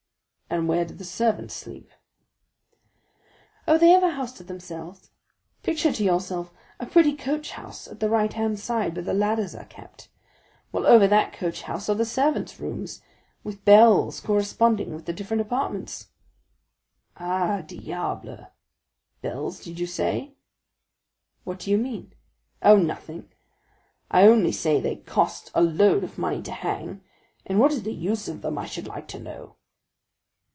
"And where do the servants sleep?" "Oh, they have a house to themselves. Picture to yourself a pretty coach house at the right hand side where the ladders are kept. Well, over that coach house are the servants' rooms, with bells corresponding with the different apartments." "Ah, diable! bells did you say?" "What do you mean?" "Oh, nothing! I only say they cost a load of money to hang, and what is the use of them, I should like to know?"